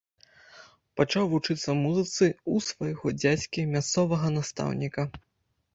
Пачаў вучыцца музыцы ў свайго дзядзькі, мясцовага настаўніка.